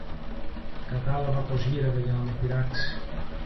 Κατάλαβα πως γύρευε να με πειράξει